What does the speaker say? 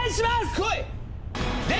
こい！